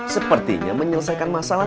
sepertinya menyelesaikan masalah